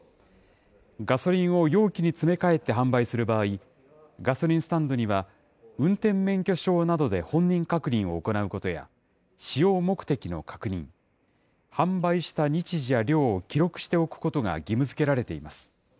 ガソリンを容器に詰め替えて販売する場合、ガソリンスタンドには、運転免許証などで本人確認を行うことや、使用目的の確認、販売した日時や量を記録しておくことが義務づけられています。